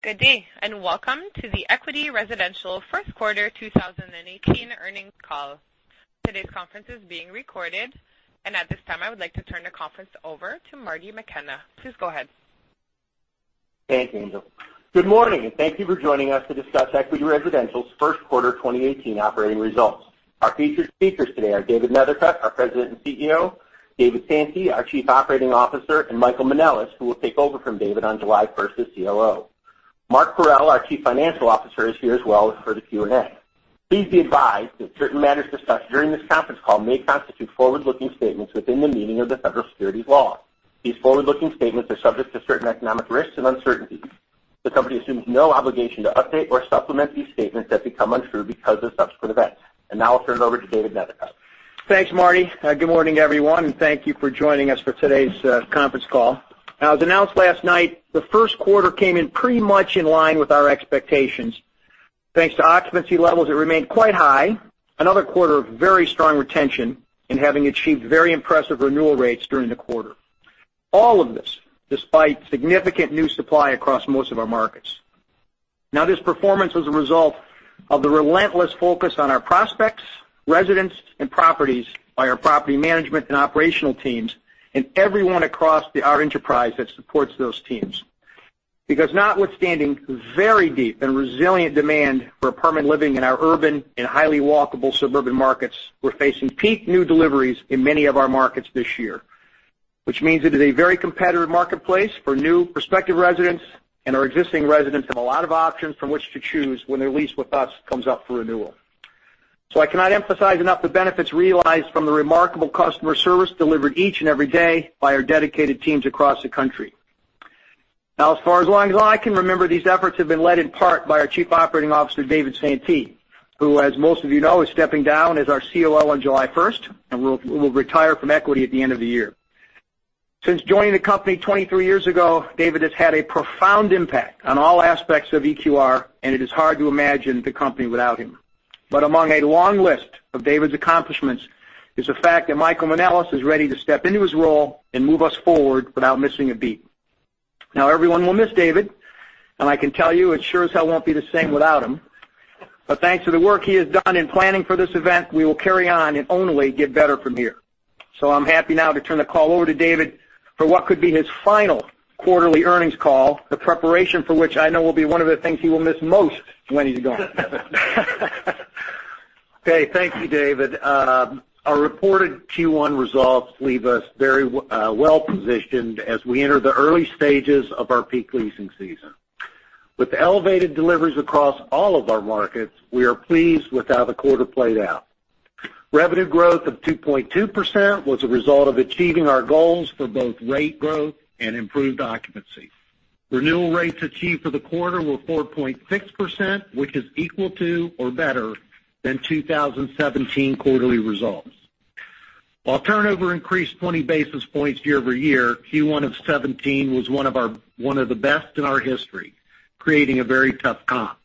Good day. Welcome to the Equity Residential first quarter 2018 earnings call. Today's conference is being recorded, and at this time, I would like to turn the conference over to Marty McKenna. Please go ahead. Thanks, Angel. Good morning. Thank you for joining us to discuss Equity Residential's first quarter 2018 operating results. Our featured speakers today are David Neithercut, our President and CEO; David Santee, our Chief Operating Officer; and Michael Manelis, who will take over from David on July 1st as COO. Mark Parrell, our Chief Financial Officer, is here as well for the Q&A. Please be advised that certain matters discussed during this conference call may constitute forward-looking statements within the meaning of the federal securities law. These forward-looking statements are subject to certain economic risks and uncertainties. The company assumes no obligation to update or supplement these statements that become untrue because of subsequent events. Now I'll turn it over to David Neithercut. Thanks, Marty. Good morning, everyone. Thank you for joining us for today's conference call. Now, as announced last night, the first quarter came in pretty much in line with our expectations. Thanks to occupancy levels that remained quite high, another quarter of very strong retention in having achieved very impressive renewal rates during the quarter. All of this despite significant new supply across most of our markets. Now, this performance was a result of the relentless focus on our prospects, residents, and properties by our property management and operational teams and everyone across our enterprise that supports those teams. Notwithstanding very deep and resilient demand for apartment living in our urban and highly walkable suburban markets, we're facing peak new deliveries in many of our markets this year. Which means it is a very competitive marketplace for new prospective residents, and our existing residents have a lot of options from which to choose when their lease with us comes up for renewal. I cannot emphasize enough the benefits realized from the remarkable customer service delivered each and every day by our dedicated teams across the country. Now, as far as long as I can remember, these efforts have been led in part by our Chief Operating Officer, David Santee, who, as most of you know, is stepping down as our COO on July 1st and will retire from Equity at the end of the year. Since joining the company 23 years ago, David has had a profound impact on all aspects of EQR, and it is hard to imagine the company without him. Among a long list of David Santee's accomplishments is the fact that Michael Manelis is ready to step into his role and move us forward without missing a beat. Everyone will miss David Santee, and I can tell you it sure as hell won't be the same without him. Thanks to the work he has done in planning for this event, we will carry on and only get better from here. I'm happy now to turn the call over to David Santee for what could be his final quarterly earnings call, the preparation for which I know will be one of the things he will miss most when he's gone. Okay. Thank you, David. Our reported Q1 results leave us very well-positioned as we enter the early stages of our peak leasing season. With elevated deliveries across all of our markets, we are pleased with how the quarter played out. Revenue growth of 2.2% was a result of achieving our goals for both rate growth and improved occupancy. Renewal rates achieved for the quarter were 4.6%, which is equal to or better than 2017 quarterly results. While turnover increased 20 basis points year-over-year, Q1 of 2017 was one of the best in our history, creating a very tough comp.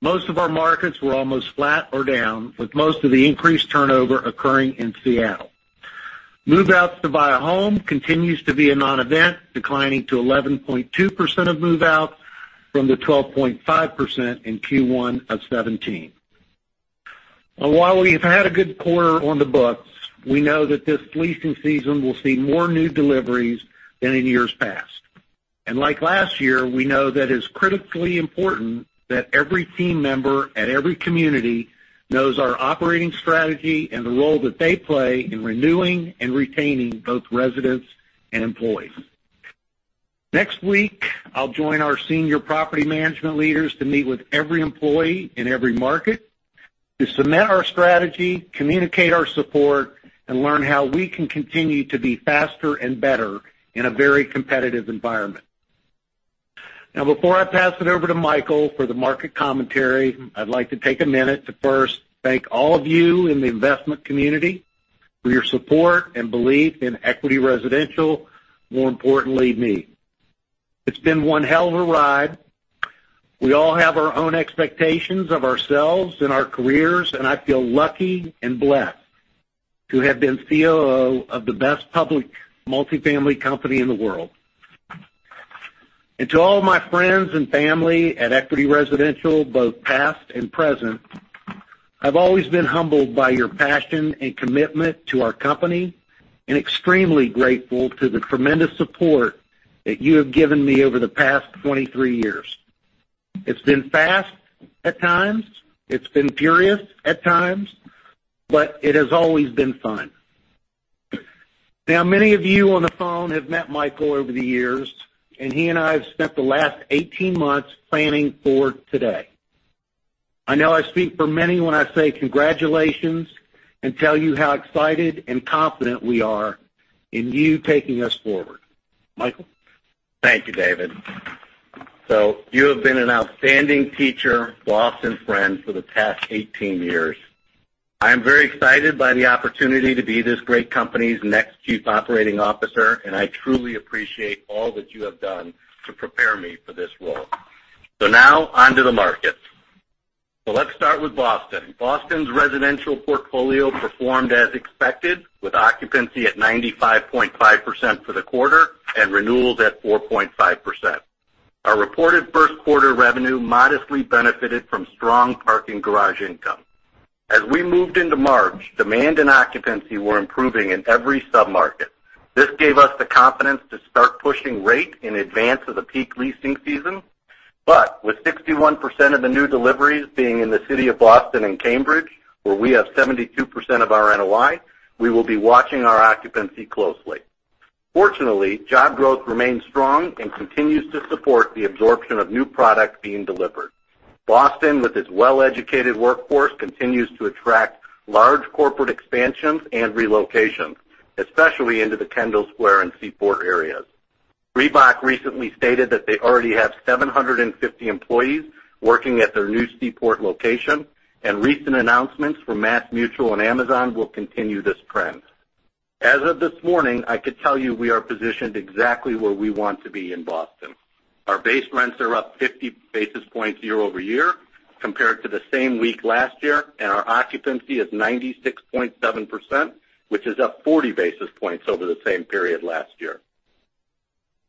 Most of our markets were almost flat or down, with most of the increased turnover occurring in Seattle. Move-outs to buy a home continues to be a non-event, declining to 11.2% of move-outs from the 12.5% in Q1 of 2017. While we've had a good quarter on the books, we know that this leasing season will see more new deliveries than in years past. Like last year, we know that it's critically important that every team member at every community knows our operating strategy and the role that they play in renewing and retaining both residents and employees. Next week, I'll join our senior property management leaders to meet with every employee in every market to cement our strategy, communicate our support, and learn how we can continue to be faster and better in a very competitive environment. Before I pass it over to Michael Manelis for the market commentary, I'd like to take a minute to first thank all of you in the investment community for your support and belief in Equity Residential, more importantly, me. It's been one hell of a ride. We all have our own expectations of ourselves and our careers, and I feel lucky and blessed to have been COO of the best public multifamily company in the world. To all my friends and family at Equity Residential, both past and present, I've always been humbled by your passion and commitment to our company, and extremely grateful to the tremendous support that you have given me over the past 23 years. It's been fast at times, it's been furious at times, but it has always been fun. Many of you on the phone have met Michael over the years, and he and I have spent the last 18 months planning for today. I know I speak for many when I say congratulations and tell you how excited and confident we are in you taking us forward. Michael? Thank you, David. You have been an outstanding teacher, boss, and friend for the past 18 years. I am very excited by the opportunity to be this great company's next Chief Operating Officer, and I truly appreciate all that you have done to prepare me for this role. Now on to the markets Let's start with Boston. Boston's residential portfolio performed as expected with occupancy at 95.5% for the quarter and renewals at 4.5%. Our reported first quarter revenue modestly benefited from strong parking garage income. As we moved into March, demand and occupancy were improving in every sub-market. This gave us the confidence to start pushing rate in advance of the peak leasing season. With 61% of the new deliveries being in the city of Boston and Cambridge, where we have 72% of our NOI, we will be watching our occupancy closely. Fortunately, job growth remains strong and continues to support the absorption of new product being delivered. Boston, with its well-educated workforce, continues to attract large corporate expansions and relocations, especially into the Kendall Square and Seaport areas. Reebok recently stated that they already have 750 employees working at their new Seaport location, and recent announcements from MassMutual and Amazon will continue this trend. As of this morning, I could tell you we are positioned exactly where we want to be in Boston. Our base rents are up 50 basis points year-over-year compared to the same week last year, and our occupancy is 96.7%, which is up 40 basis points over the same period last year.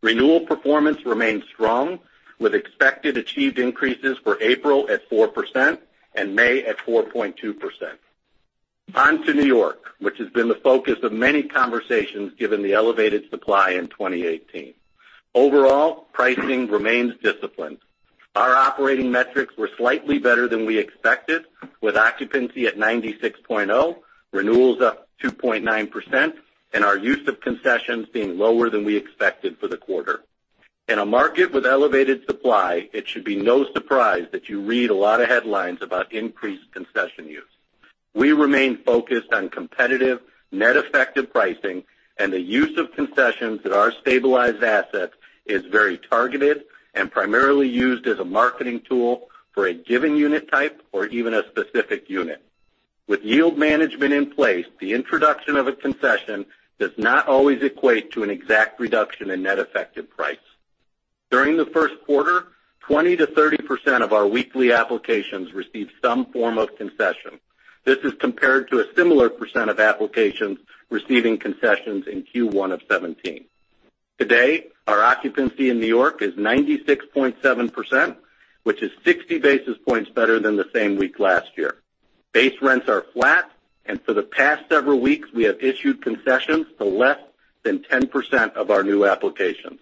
Renewal performance remains strong, with expected achieved increases for April at 4% and May at 4.2%. On to New York, which has been the focus of many conversations given the elevated supply in 2018. Overall, pricing remains disciplined. Our operating metrics were slightly better than we expected, with occupancy at 96.0, renewals up 2.9%, and our use of concessions being lower than we expected for the quarter. In a market with elevated supply, it should be no surprise that you read a lot of headlines about increased concession use. We remain focused on competitive net effective pricing, and the use of concessions at our stabilized assets is very targeted and primarily used as a marketing tool for a given unit type or even a specific unit. With yield management in place, the introduction of a concession does not always equate to an exact reduction in net effective price. During the first quarter, 20%-30% of our weekly applications received some form of concession. This is compared to a similar % of applications receiving concessions in Q1 2017. Today, our occupancy in New York is 96.7%, which is 60 basis points better than the same week last year. Base rents are flat, and for the past several weeks, we have issued concessions to less than 10% of our new applications.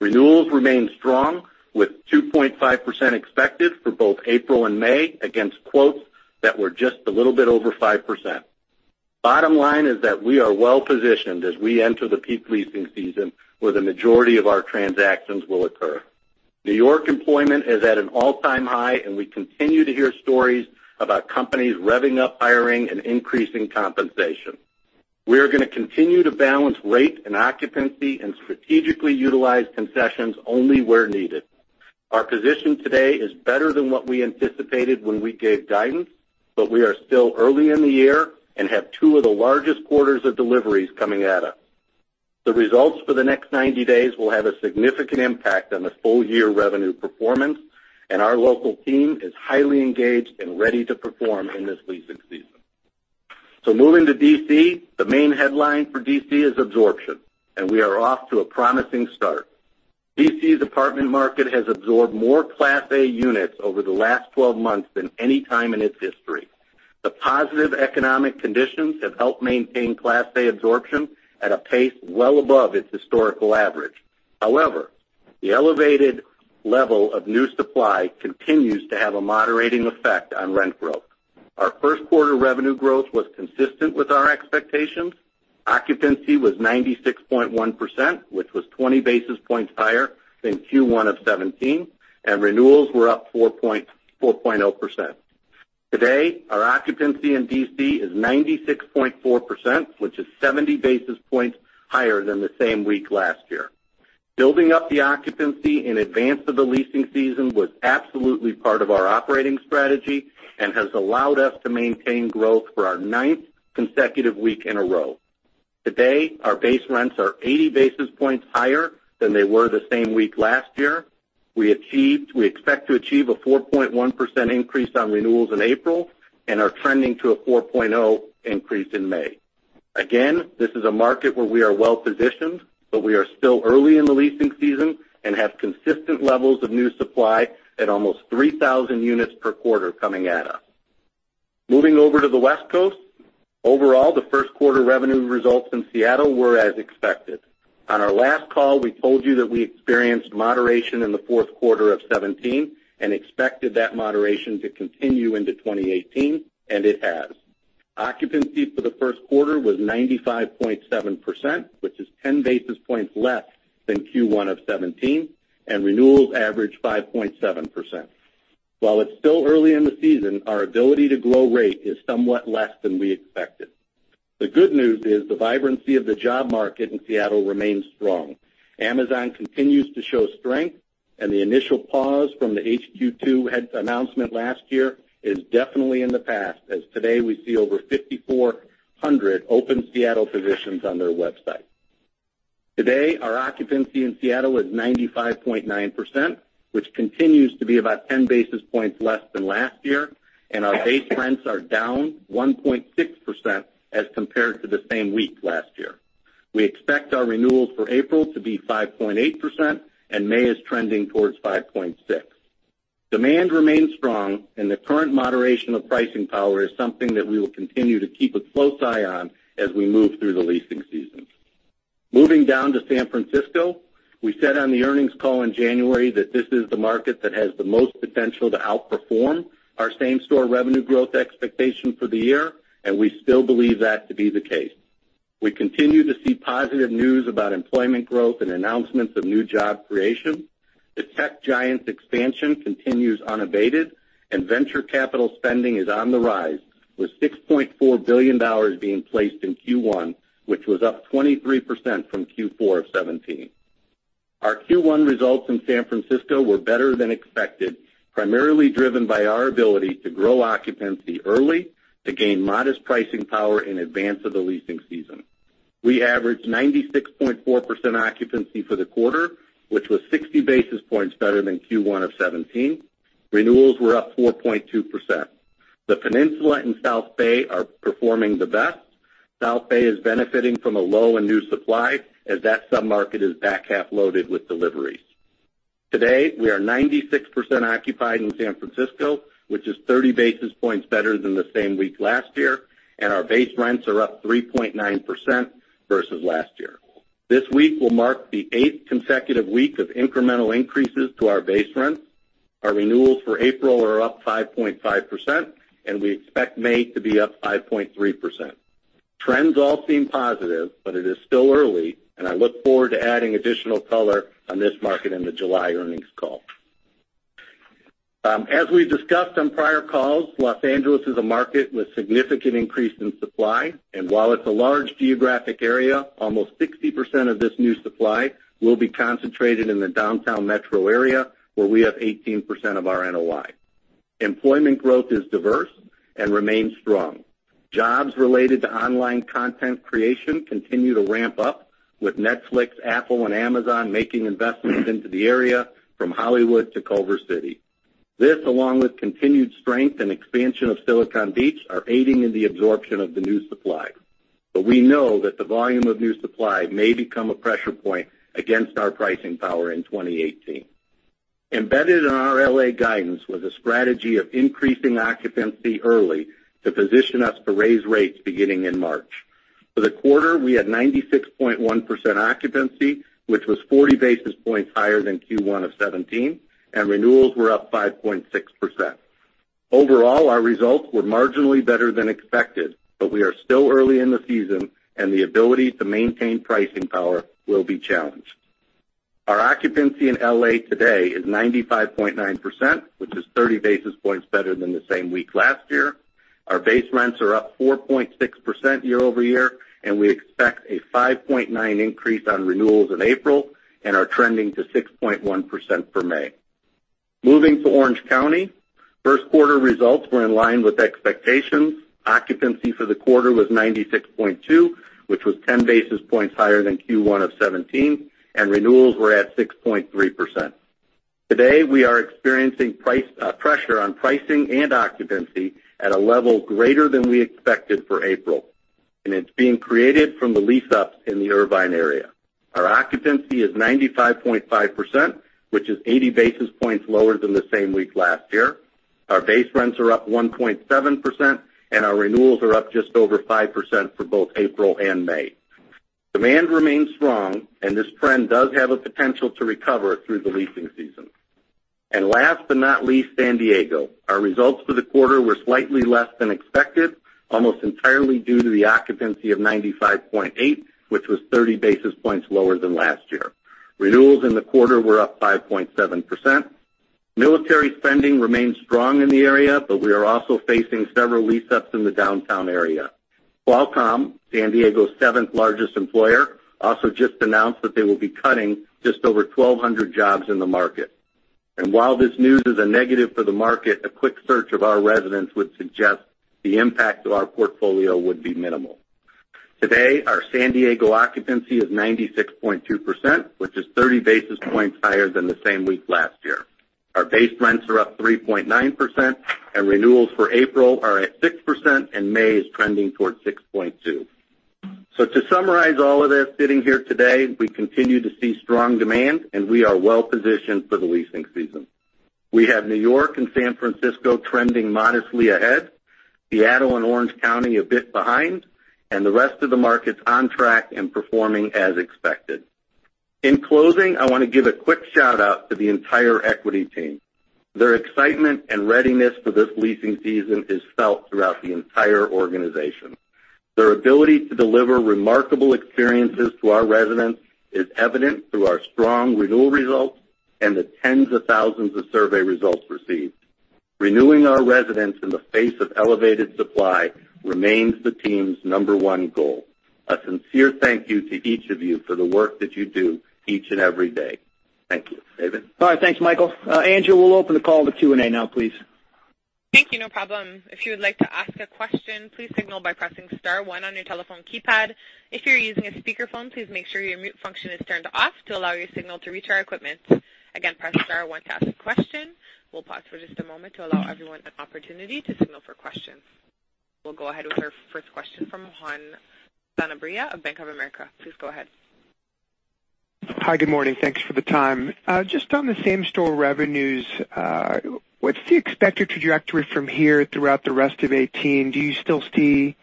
Renewals remain strong with 2.5% expected for both April and May against quotes that were just a little bit over 5%. Bottom line is that we are well-positioned as we enter the peak leasing season where the majority of our transactions will occur. New York employment is at an all-time high, and we continue to hear stories about companies revving up hiring and increasing compensation. We are going to continue to balance rate and occupancy and strategically utilize concessions only where needed. Our position today is better than what we anticipated when we gave guidance, but we are still early in the year and have two of the largest quarters of deliveries coming at us. The results for the next 90 days will have a significant impact on the full year revenue performance, and our local team is highly engaged and ready to perform in this leasing season. Moving to D.C., the main headline for D.C. is absorption, and we are off to a promising start. D.C.'s apartment market has absorbed more class A units over the last 12 months than any time in its history. The positive economic conditions have helped maintain class A absorption at a pace well above its historical average. However, the elevated level of new supply continues to have a moderating effect on rent growth. Our first quarter revenue growth was consistent with our expectations. Occupancy was 96.1%, which was 20 basis points higher than Q1 2017, and renewals were up 4.0%. Today, our occupancy in D.C. is 96.4%, which is 70 basis points higher than the same week last year. Building up the occupancy in advance of the leasing season was absolutely part of our operating strategy and has allowed us to maintain growth for our ninth consecutive week in a row. Today, our base rents are 80 basis points higher than they were the same week last year. We expect to achieve a 4.1% increase on renewals in April and are trending to a 4.0 increase in May. Again, this is a market where we are well-positioned, but we are still early in the leasing season and have consistent levels of new supply at almost 3,000 units per quarter coming at us. Moving over to the West Coast. Overall, the first quarter revenue results in Seattle were as expected. On our last call, we told you that we experienced moderation in the fourth quarter of 2017 and expected that moderation to continue into 2018, it has. Occupancy for the first quarter was 95.7%, which is 10 basis points less than Q1 of 2017, renewals averaged 5.7%. While it's still early in the season, our ability to grow rate is somewhat less than we expected. The good news is the vibrancy of the job market in Seattle remains strong. Amazon continues to show strength, the initial pause from the HQ2 announcement last year is definitely in the past, as today we see over 5,400 open Seattle positions on their website. Today, our occupancy in Seattle is 95.9%, which continues to be about 10 basis points less than last year, our base rents are down 1.6% as compared to the same week last year. We expect our renewals for April to be 5.8%, May is trending towards 5.6%. Demand remains strong, the current moderation of pricing power is something that we will continue to keep a close eye on as we move through the leasing season. Moving down to San Francisco, we said on the earnings call in January that this is the market that has the most potential to outperform our same-store revenue growth expectation for the year, we still believe that to be the case. We continue to see positive news about employment growth and announcements of new job creation. The tech giant's expansion continues unabated, venture capital spending is on the rise, with $6.4 billion being placed in Q1, which was up 23% from Q4 of 2017. Our Q1 results in San Francisco were better than expected, primarily driven by our ability to grow occupancy early to gain modest pricing power in advance of the leasing season. We averaged 96.4% occupancy for the quarter, which was 60 basis points better than Q1 of 2017. Renewals were up 4.2%. The Peninsula and South Bay are performing the best. South Bay is benefiting from a low and new supply, as that sub-market is back-half loaded with deliveries. Today, we are 96% occupied in San Francisco, which is 30 basis points better than the same week last year, our base rents are up 3.9% versus last year. This week will mark the eighth consecutive week of incremental increases to our base rents. Our renewals for April are up 5.5%, we expect May to be up 5.3%. Trends all seem positive, it is still early, I look forward to adding additional color on this market in the July earnings call. As we've discussed on prior calls, Los Angeles is a market with significant increase in supply, while it's a large geographic area, almost 60% of this new supply will be concentrated in the downtown metro area, where we have 18% of our NOI. Employment growth is diverse and remains strong. Jobs related to online content creation continue to ramp up, with Netflix, Apple, Amazon making investments into the area from Hollywood to Culver City. This, along with continued strength and expansion of Silicon Beach, are aiding in the absorption of the new supply. We know that the volume of new supply may become a pressure point against our pricing power in 2018. Embedded in our L.A. guidance was a strategy of increasing occupancy early to position us to raise rates beginning in March. For the quarter, we had 96.1% occupancy, which was 40 basis points higher than Q1 2017, and renewals were up 5.6%. Overall, our results were marginally better than expected. We are still early in the season, and the ability to maintain pricing power will be challenged. Our occupancy in L.A. today is 95.9%, which is 30 basis points better than the same week last year. Our base rents are up 4.6% year-over-year, and we expect a 5.9% increase on renewals in April and are trending to 6.1% for May. Moving to Orange County, first quarter results were in line with expectations. Occupancy for the quarter was 96.2%, which was 10 basis points higher than Q1 2017, and renewals were at 6.3%. Today, we are experiencing pressure on pricing and occupancy at a level greater than we expected for April. It's being created from the lease-ups in the Irvine area. Our occupancy is 95.5%, which is 80 basis points lower than the same week last year. Our base rents are up 1.7%, and our renewals are up just over 5% for both April and May. Demand remains strong. This trend does have a potential to recover through the leasing season. Last but not least, San Diego. Our results for the quarter were slightly less than expected, almost entirely due to the occupancy of 95.8%, which was 30 basis points lower than last year. Renewals in the quarter were up 5.7%. Military spending remains strong in the area. We are also facing several lease-ups in the downtown area. Qualcomm, San Diego's seventh-largest employer, also just announced that they will be cutting just over 1,200 jobs in the market. While this news is a negative for the market, a quick search of our residents would suggest the impact to our portfolio would be minimal. Today, our San Diego occupancy is 96.2%, which is 30 basis points higher than the same week last year. Our base rents are up 3.9%, and renewals for April are at 6%, and May is trending towards 6.2%. To summarize all of this, sitting here today, we continue to see strong demand, and we are well-positioned for the leasing season. We have New York and San Francisco trending modestly ahead, Seattle and Orange County a bit behind, and the rest of the markets on track and performing as expected. In closing, I want to give a quick shout-out to the entire Equity team. Their excitement and readiness for this leasing season is felt throughout the entire organization. Their ability to deliver remarkable experiences to our residents is evident through our strong renewal results and the tens of thousands of survey results received. Renewing our residents in the face of elevated supply remains the team's number 1 goal. A sincere thank you to each of you for the work that you do each and every day. Thank you. David? All right. Thanks, Michael. Andrew, we'll open the call to Q&A now, please. Thank you. No problem. If you would like to ask a question, please signal by pressing star one on your telephone keypad. If you're using a speakerphone, please make sure your mute function is turned off to allow your signal to reach our equipment. Again, press star one to ask a question. We'll pause for just a moment to allow everyone an opportunity to signal for questions. We'll go ahead with our first question from Juan Sanabria of Bank of America. Please go ahead. Hi, good morning. Thanks for the time. Just on the same-store revenues, what's the expected trajectory from here throughout the rest of 2018? Do you still see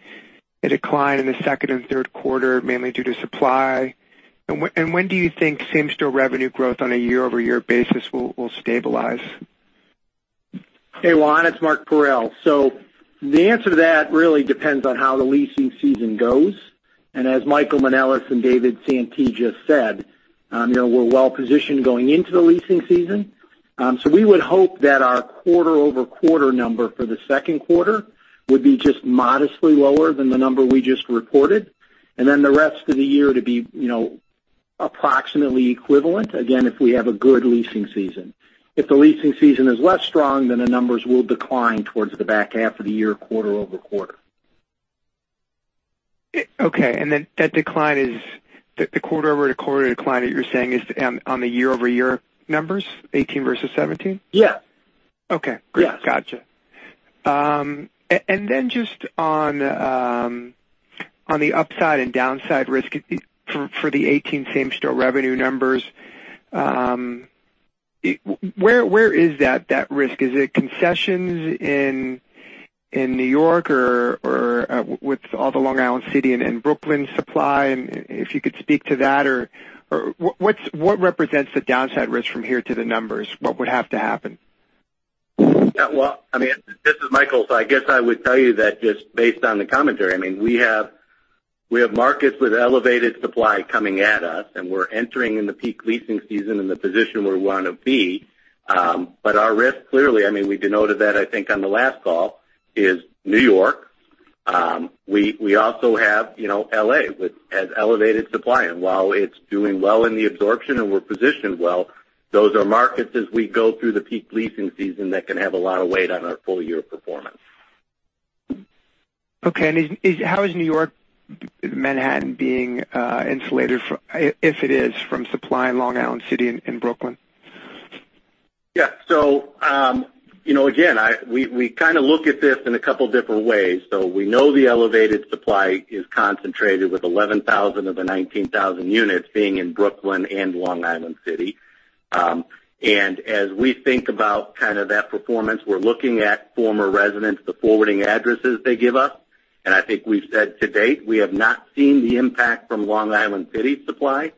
a decline in the second and third quarter, mainly due to supply? When do you think same-store revenue growth on a year-over-year basis will stabilize? Hey, Juan. It's Mark Parrell. The answer to that really depends on how the leasing season goes, and as Michael Manelis and David Santee just said, we're well-positioned going into the leasing season. We would hope that our quarter-over-quarter number for the second quarter would be just modestly lower than the number we just reported, and then the rest of the year to be approximately equivalent, again if we have a good leasing season. If the leasing season is less strong, then the numbers will decline towards the back half of the year, quarter-over-quarter. Okay. That decline is, the quarter-over-quarter decline that you're saying is on the year-over-year numbers, 2018 versus 2017? Yeah. Okay. Yeah. Great. Gotcha. Just on the upside and downside risk for the 2018 same-store revenue numbers, where is that risk? Is it concessions in New York or with all the Long Island City and Brooklyn supply? If you could speak to that or what represents the downside risk from here to the numbers? What would have to happen? This is Michael. I guess I would tell you that just based on the commentary, we have markets with elevated supply coming at us, and we're entering in the peak leasing season in the position we want to be. Our risk clearly, we denoted that I think on the last call, is New York. We also have L.A., which has elevated supply. While it's doing well in the absorption and we're positioned well, those are markets as we go through the peak leasing season that can have a lot of weight on our full-year performance. Okay. How is New York, Manhattan, being insulated, if it is, from supply in Long Island City and Brooklyn? Yeah. Again, we kind of look at this in a couple different ways. We know the elevated supply is concentrated with 11,000 of the 19,000 units being in Brooklyn and Long Island City. As we think about that performance, we're looking at former residents, the forwarding addresses they give us, I think we've said to date, we have not seen the impact from Long Island City supply.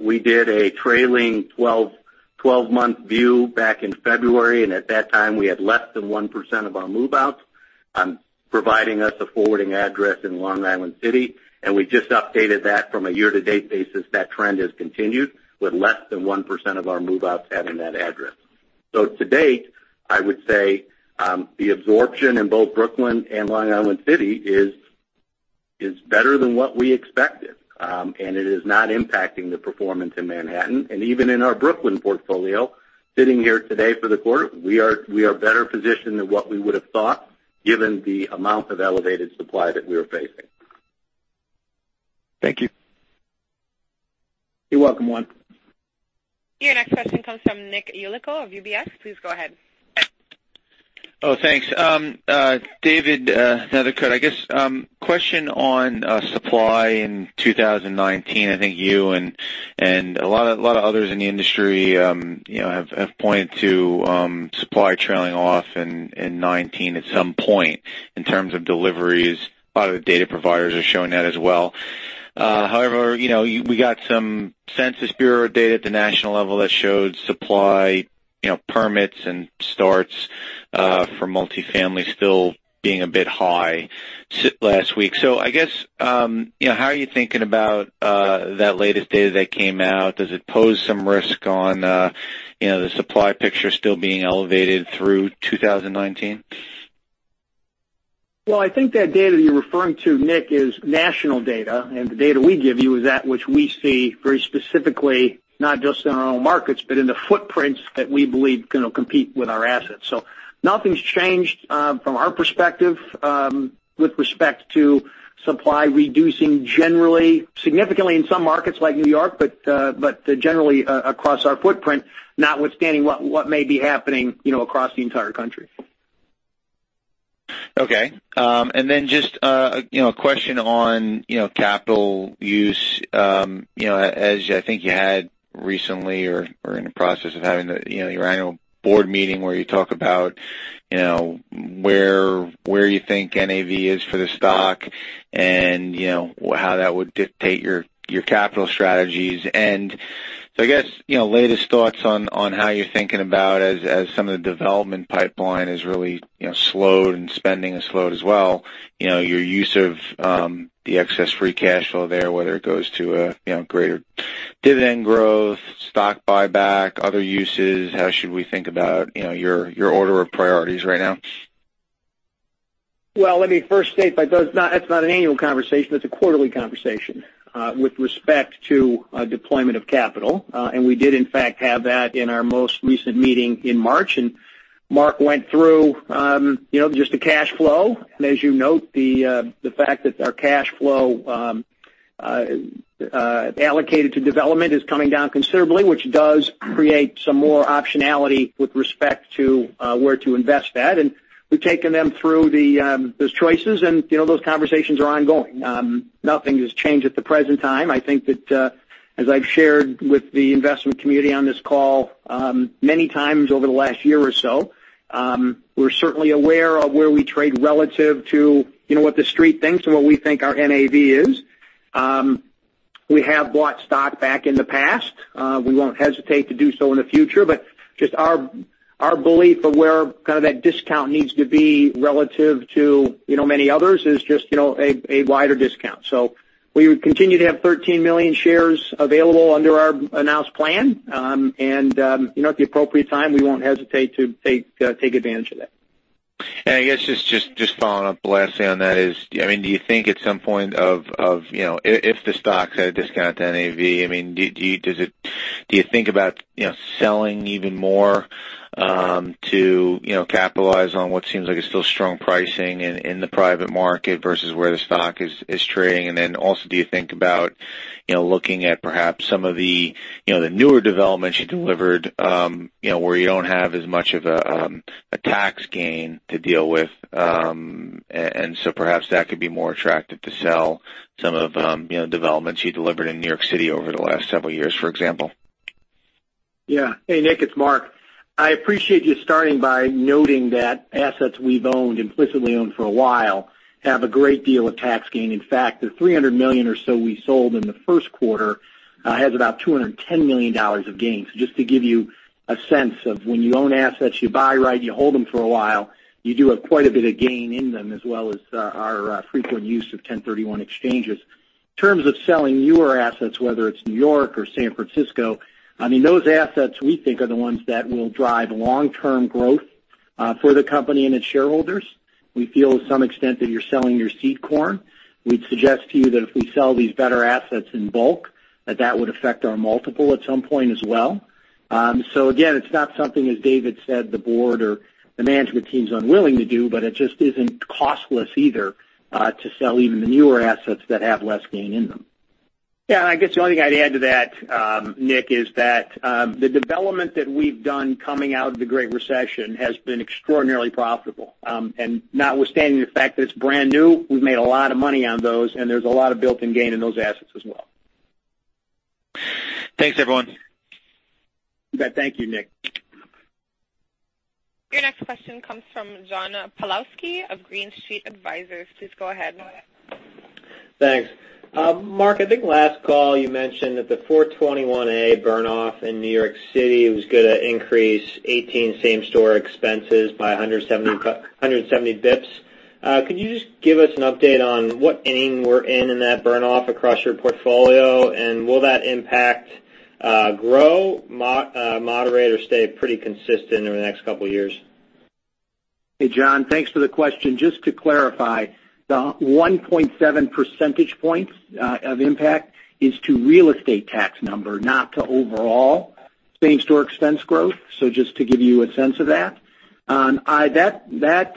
We did a trailing 12-month view back in February. At that time, we had less than 1% of our move-outs, providing us a forwarding address in Long Island City. We just updated that from a year-to-date basis, that trend has continued with less than 1% of our move-outs having that address. To date, I would say, the absorption in both Brooklyn and Long Island City is better than what we expected. It is not impacting the performance in Manhattan and even in our Brooklyn portfolio. Sitting here today for the quarter, we are better positioned than what we would've thought given the amount of elevated supply that we are facing. Thank you. You're welcome, Juan. Your next question comes from Nick Yulico of UBS. Please go ahead. Thanks. David Neithercut, I guess. Question on supply in 2019. I think you and a lot of others in the industry have pointed to supply trailing off in 2019 at some point in terms of deliveries. A lot of the data providers are showing that as well. However, we got some United States Census Bureau data at the national level that showed supply, permits, and starts for multifamily still being a bit high last week. I guess, how are you thinking about that latest data that came out? Does it pose some risk on the supply picture still being elevated through 2019? I think that data you're referring to, Nick, is national data, the data we give you is that which we see very specifically, not just in our own markets, but in the footprints that we believe are going to compete with our assets. Nothing's changed from our perspective, with respect to supply reducing generally. Significantly in some markets like New York, generally across our footprint, notwithstanding what may be happening across the entire country. Okay. Just a question on capital use. As I think you had recently or are in the process of having your annual board meeting where you talk about where you think NAV is for the stock and how that would dictate your capital strategies. I guess, latest thoughts on how you're thinking about as some of the development pipeline has really slowed and spending has slowed as well, your use of the excess free cash flow there, whether it goes to a greater dividend growth, stock buyback, other uses. How should we think about your order of priorities right now? Well, let me first state that that's not an annual conversation, that's a quarterly conversation with respect to deployment of capital. We did in fact, have that in our most recent meeting in March, and Mark went through just the cash flow. As you note, the fact that our cash flow allocated to development is coming down considerably, which does create some more optionality with respect to where to invest that. We've taken them through those choices, and those conversations are ongoing. Nothing has changed at the present time. I think that as I've shared with the investment community on this call many times over the last year or so, we're certainly aware of where we trade relative to what The Street thinks and what we think our NAV is. We have bought stock back in the past. We won't hesitate to do so in the future. Just our belief of where that discount needs to be relative to many others is just a wider discount. We would continue to have 13 million shares available under our announced plan. At the appropriate time, we won't hesitate to take advantage of that. I guess just following up the last thing on that is, do you think at some point, if the stock's at a discount to NAV, do you think about selling even more, to capitalize on what seems like a still strong pricing in the private market versus where the stock is trading? Then also, do you think about looking at perhaps some of the newer developments you delivered, where you don't have as much of a tax gain to deal with? So perhaps that could be more attractive to sell some of developments you delivered in New York City over the last several years, for example. Yeah. Hey, Nick, it's Mark. I appreciate you starting by noting that assets we've owned, implicitly owned for a while, have a great deal of tax gain. In fact, the $300 million or so we sold in the first quarter, has about $210 million of gains. Just to give you a sense of when you own assets, you buy right, you hold them for a while, you do have quite a bit of gain in them, as well as our frequent use of 1031 exchanges. In terms of selling newer assets, whether it's New York or San Francisco, those assets, we think, are the ones that will drive long-term growth for the company and its shareholders. We feel to some extent that you're selling your seed corn. We'd suggest to you that if we sell these better assets in bulk, that that would affect our multiple at some point as well. Again, it's not something, as David said, the board or the management team's unwilling to do, but it just isn't costless either to sell even the newer assets that have less gain in them. Yeah, I guess the only thing I'd add to that, Nick, is that the development that we've done coming out of the Great Recession has been extraordinarily profitable. Notwithstanding the fact that it's brand new, we've made a lot of money on those, and there's a lot of built-in gain in those assets as well. Thanks, everyone. Thank you, Nick. Your next question comes from John Pawlowski of Green Street Advisors. Please go ahead. Thanks. Mark, I think last call you mentioned that the 421-a burn-off in New York City was going to increase 2018 same-store expenses by 170 basis points. Could you just give us an update on what inning we're in in that burn-off across your portfolio, and will that impact grow, moderate, or stay pretty consistent over the next couple of years? Hey, John. Thanks for the question. Just to clarify, the 1.7 percentage points of impact is to real estate tax number, not to overall same-store expense growth. Just to give you a sense of that. That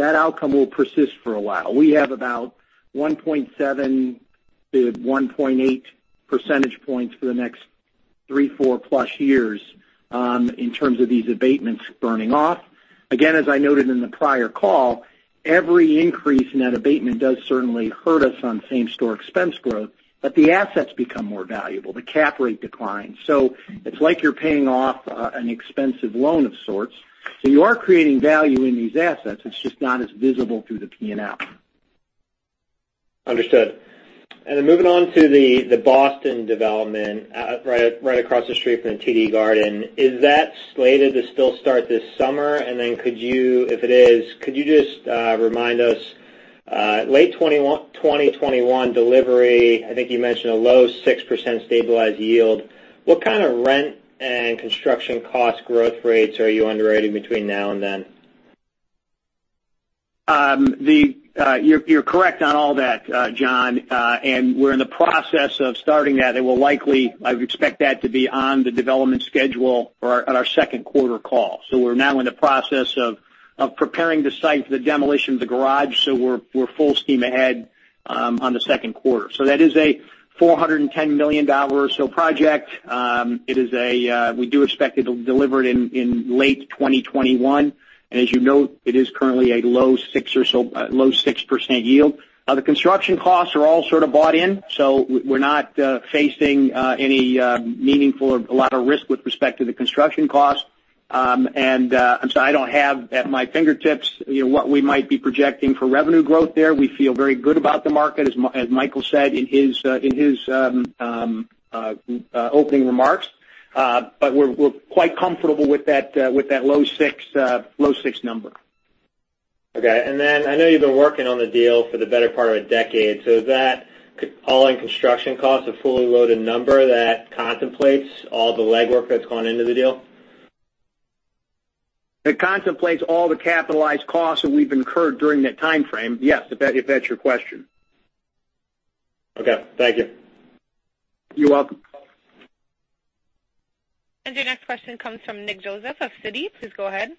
outcome will persist for a while. We have about 1.7 to 1.8 percentage points for the next three, four-plus years in terms of these abatements burning off. As I noted in the prior call, every increase in that abatement does certainly hurt us on same-store expense growth, but the assets become more valuable. The cap rate declines. It's like you're paying off an expensive loan of sorts. You are creating value in these assets, it's just not as visible through the P&L. Understood. Moving on to the Boston development right across the street from the TD Garden. Is that slated to still start this summer? If it is, could you just remind us late 2021 delivery, I think you mentioned a low 6% stabilized yield. What kind of rent and construction cost growth rates are you underwriting between now and then? You're correct on all that, John. We're in the process of starting that, and we'll likely, I would expect that to be on the development schedule on our second quarter call. We're now in the process of preparing the site for the demolition of the garage. We're full steam ahead on the second quarter. That is a $410 million or so project. We do expect it delivered in late 2021. As you note, it is currently a low 6% yield. The construction costs are all sort of bought in. We're not facing any meaningful, a lot of risk with respect to the construction cost. I'm sorry, I don't have at my fingertips what we might be projecting for revenue growth there. We feel very good about the market, as Michael said in his opening remarks. We're quite comfortable with that low six number. Okay. I know you've been working on the deal for the better part of a decade. Is that all-in construction cost a fully loaded number that contemplates all the legwork that's gone into the deal? It contemplates all the capitalized costs that we've incurred during that time frame. Yes, if that's your question. Okay. Thank you. You're welcome. Your next question comes from Nick Joseph of Citi. Please go ahead.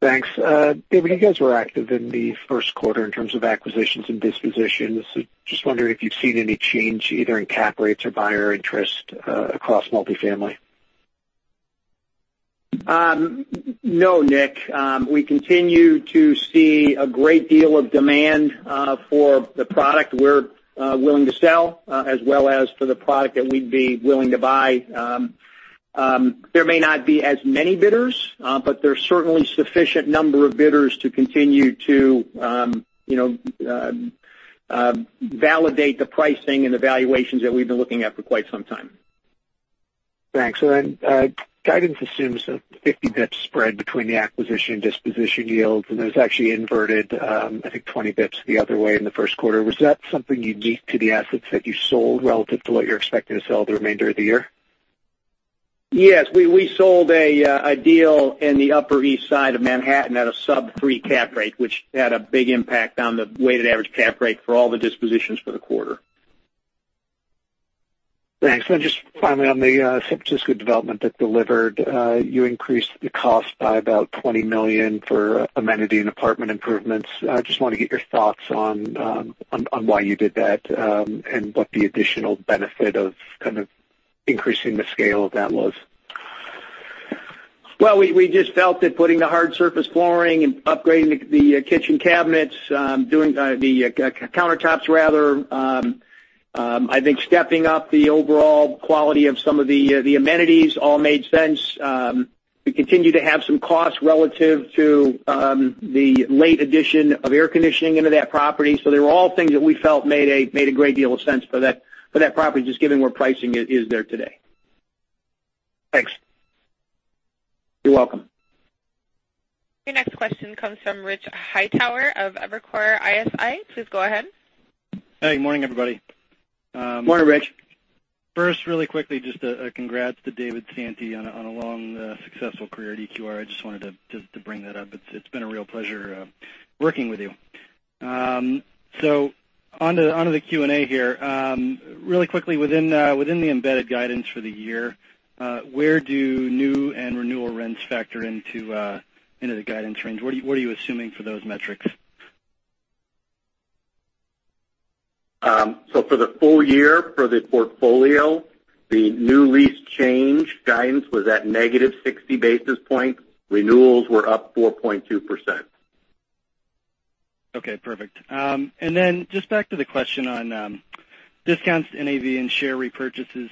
Thanks. David, you guys were active in the first quarter in terms of acquisitions and dispositions. Just wondering if you've seen any change either in cap rates or buyer interest across multifamily. No, Nick. We continue to see a great deal of demand for the product we're willing to sell, as well as for the product that we'd be willing to buy. There may not be as many bidders, there's certainly sufficient number of bidders to continue to validate the pricing and the valuations that we've been looking at for quite some time. Thanks. Guidance assumes a 50 basis points spread between the acquisition and disposition yields, and it was actually inverted, I think 20 basis points the other way in the first quarter. Was that something unique to the assets that you sold relative to what you're expecting to sell the remainder of the year? Yes. We sold a deal in the Upper East Side of Manhattan at a sub three cap rate, which had a big impact on the weighted average cap rate for all the dispositions for the quarter. Thanks. Just finally on the San Francisco development that delivered, you increased the cost by about $20 million for amenity and apartment improvements. I just want to get your thoughts on why you did that, and what the additional benefit of kind of increasing the scale of that was. Well, we just felt that putting the hard surface flooring and upgrading the kitchen cabinets, doing the countertops rather, I think stepping up the overall quality of some of the amenities all made sense. We continue to have some costs relative to the late addition of air conditioning into that property. They were all things that we felt made a great deal of sense for that property, just given where pricing is there today. Thanks. You're welcome. Your next question comes from Rich Hightower of Evercore ISI. Please go ahead. Hey, good morning, everybody. Morning, Rich. First, really quickly, just a congrats to David Santee on a long, successful career at EQR. I just wanted to bring that up. It's been a real pleasure working with you. On to the Q&A here. Really quickly, within the embedded guidance for the year, where do new and renewal rents factor into the guidance range? What are you assuming for those metrics? For the full year for the portfolio, the new lease change guidance was at negative 60 basis points. Renewals were up 4.2%. Okay, perfect. Just back to the question on discounts to NAV and share repurchases.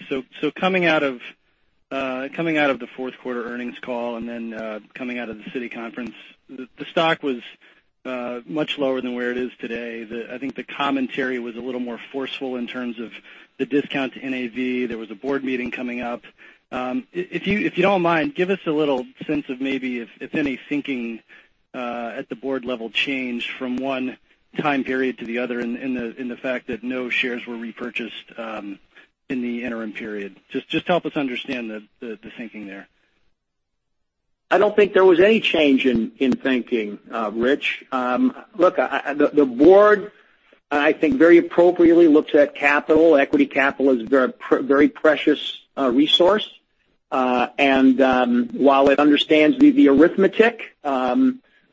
Coming out of the fourth quarter earnings call, and then, coming out of the Citi conference, the stock was much lower than where it is today. I think the commentary was a little more forceful in terms of the discount to NAV. There was a board meeting coming up. If you don't mind, give us a little sense of maybe if any thinking at the board level changed from one time period to the other in the fact that no shares were repurchased in the interim period. Just help us understand the thinking there. I don't think there was any change in thinking, Rich. Look, the board, I think, very appropriately looks at capital. Equity capital is a very precious resource. While it understands the arithmetic,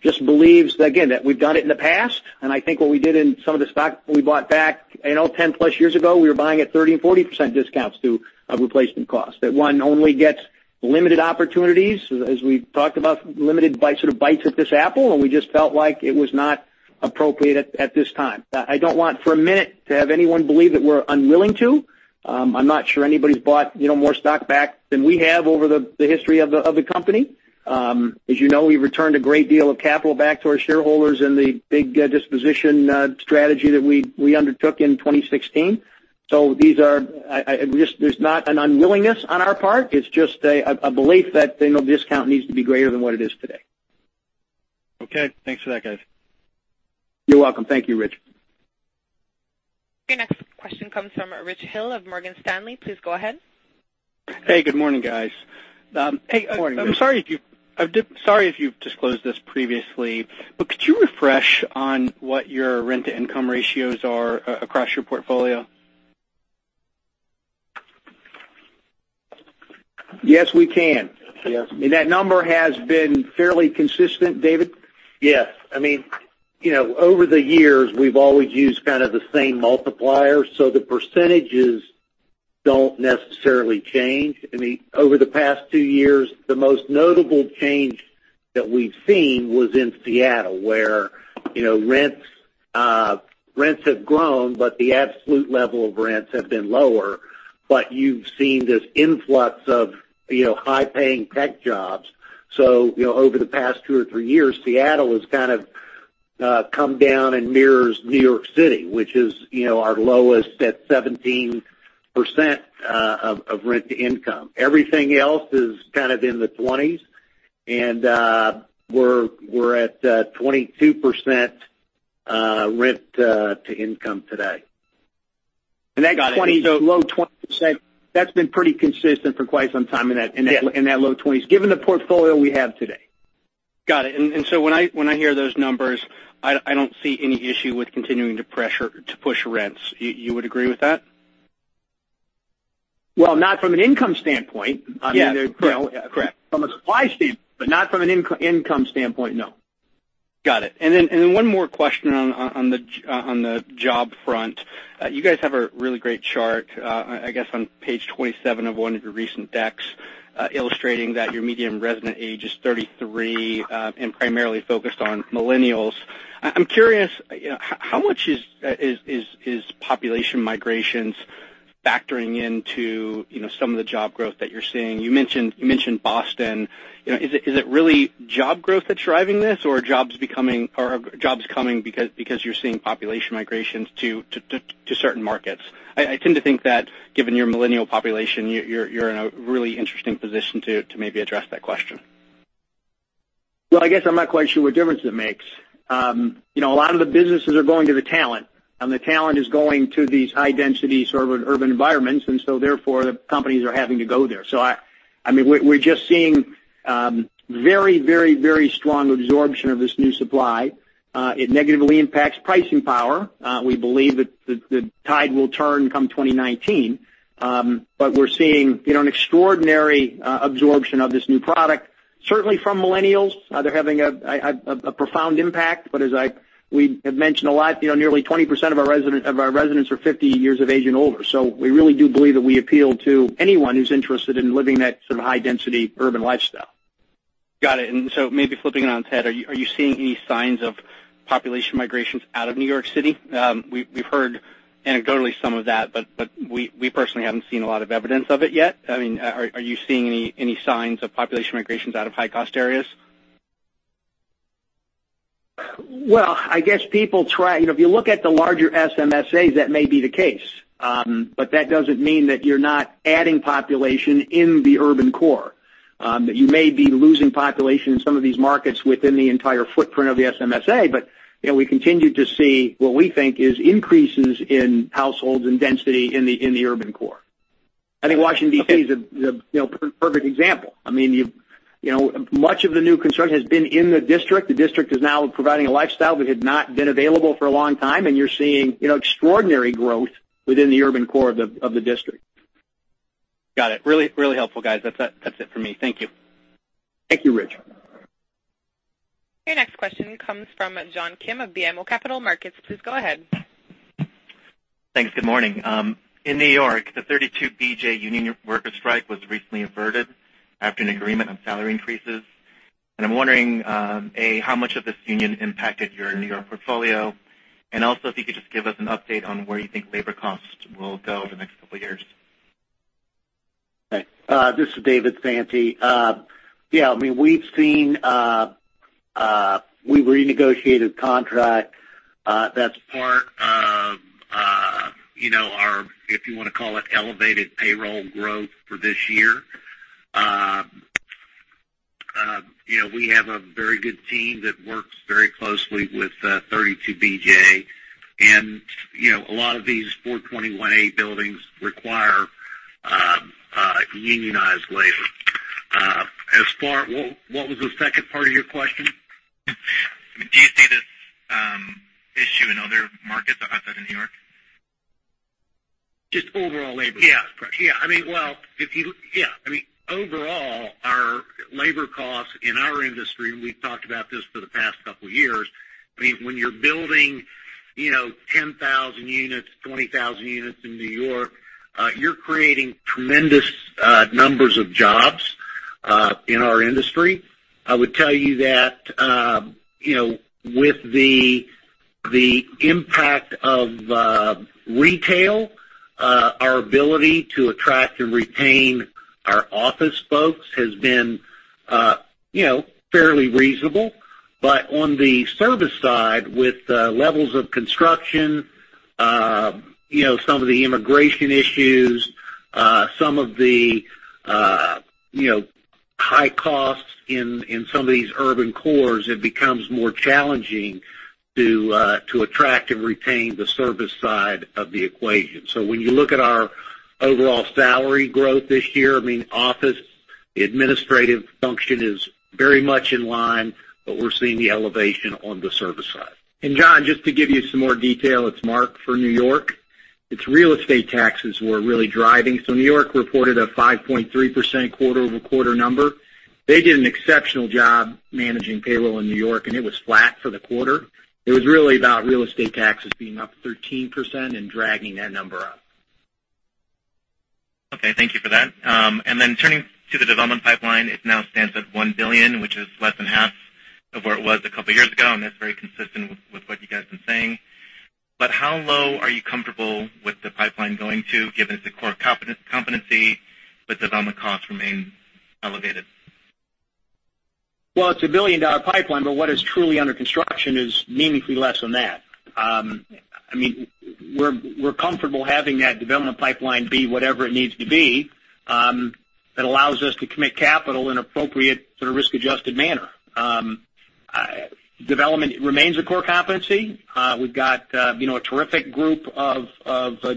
just believes, again, that we've done it in the past, and I think what we did in some of the stock we bought back 10-plus years ago, we were buying at 30% and 40% discounts to replacement costs. That one only gets limited opportunities, as we've talked about, limited bites at this apple, and we just felt like it was not appropriate at this time. I don't want for a minute to have anyone believe that we're unwilling to. I'm not sure anybody's bought more stock back than we have over the history of the company. As you know, we've returned a great deal of capital back to our shareholders in the big disposition strategy that we undertook in 2016. There's not an unwillingness on our part. It's just a belief that the discount needs to be greater than what it is today. Okay. Thanks for that, guys. You're welcome. Thank you, Rich. Your next question comes from Rich Hill of Morgan Stanley. Please go ahead. Hey, good morning, guys. Morning, Rich. Sorry if you've disclosed this previously, but could you refresh on what your rent-to-income ratios are across your portfolio? Yes, we can. Yes. That number has been fairly consistent, David? Yes. Over the years, we've always used kind of the same multiplier, the percentages don't necessarily change. Over the past 2 years, the most notable change that we've seen was in Seattle, where rents have grown, but the absolute level of rents have been lower. You've seen this influx of high-paying tech jobs. Over the past 2 or 3 years, Seattle has kind of come down and mirrors New York City, which is our lowest at 17% of rent to income. Everything else is kind of in the 20s, and we're at 22% rent to income today. That low 20%, that's been pretty consistent for quite some time in that low 20s, given the portfolio we have today. Got it. When I hear those numbers, I don't see any issue with continuing to push rents. You would agree with that? Well, not from an income standpoint. Yeah. Correct. From a supply standpoint, not from an income standpoint, no. Got it. Then one more question on the job front. You guys have a really great chart, I guess, on page 27 of one of your recent decks, illustrating that your median resident age is 33, and primarily focused on millennials. I'm curious, how much is population migrations factoring into some of the job growth that you're seeing? You mentioned Boston. Is it really job growth that's driving this or are jobs coming because you're seeing population migrations to certain markets? I tend to think that given your millennial population, you're in a really interesting position to maybe address that question. Well, I guess I'm not quite sure what difference it makes. A lot of the businesses are going to the talent, the talent is going to these high-density, urban environments, therefore, the companies are having to go there. We're just seeing very strong absorption of this new supply. It negatively impacts pricing power. We believe that the tide will turn come 2019. We're seeing an extraordinary absorption of this new product, certainly from millennials. They're having a profound impact. As we have mentioned a lot, nearly 20% of our residents are 50 years of age and older. We really do believe that we appeal to anyone who's interested in living that sort of high-density urban lifestyle. Got it. Maybe flipping it on its head, are you seeing any signs of population migrations out of New York City? We've heard anecdotally some of that, we personally haven't seen a lot of evidence of it yet. Are you seeing any signs of population migrations out of high-cost areas? Well, if you look at the larger MSAs, that may be the case. That doesn't mean that you're not adding population in the urban core. That you may be losing population in some of these markets within the entire footprint of the MSA, we continue to see what we think is increases in households and density in the urban core. I think Washington, D.C. is a perfect example. Much of the new construction has been in the district. The district is now providing a lifestyle that had not been available for a long time, you're seeing extraordinary growth within the urban core of the district. Got it. Really helpful, guys. That's it from me. Thank you. Thank you, Rich. Your next question comes from John Kim of BMO Capital Markets. Please go ahead. Thanks. Good morning. In New York, the 32BJ union worker strike was recently averted after an agreement on salary increases. I'm wondering, A, how much of this union impacted your New York portfolio? Also, if you could just give us an update on where you think labor costs will go in the next couple of years. This is David Santee. Yeah, we renegotiated contract. That's part of our, if you want to call it elevated payroll growth for this year. We have a very good team that works very closely with 32BJ, and a lot of these 421-a buildings require unionized labor. What was the second part of your question? Do you see this issue in other markets outside of New York? Just overall labor cost pressure. Yeah. Overall, our labor costs in our industry, and we've talked about this for the past couple of years, when you're building 10,000 units, 20,000 units in New York, you're creating tremendous numbers of jobs in our industry. I would tell you that with the impact of retail, our ability to attract and retain our office folks has been fairly reasonable. But on the service side, with the levels of construction, some of the immigration issues, some of the high costs in some of these urban cores, it becomes more challenging to attract and retain the service side of the equation. When you look at our overall salary growth this year, office, the administrative function is very much in line, but we're seeing the elevation on the service side. John, just to give you some more detail, it's Mark for New York. It's real estate taxes were really driving. New York reported a 5.3% quarter-over-quarter number. They did an exceptional job managing payroll in New York, and it was flat for the quarter. It was really about real estate taxes being up 13% and dragging that number up. Okay. Thank you for that. Turning to the development pipeline, it now stands at $1 billion, which is less than half of where it was a couple of years ago, and that's very consistent with what you guys have been saying. How low are you comfortable with the pipeline going to, given its a core competency, but development costs remain elevated? Well, it's a billion-dollar pipeline, what is truly under construction is meaningfully less than that. We're comfortable having that development pipeline be whatever it needs to be that allows us to commit capital in appropriate risk-adjusted manner. Development remains a core competency. We've got a terrific group of